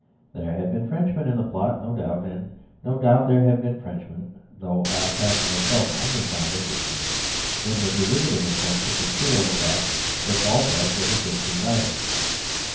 There have been Frenchmen in the plot, no doubt, and no doubt there have. been Frenchmen — though I have myself only found Englishmen — in the derivative attempt to conceal the fact that Balzac was a Christian writer.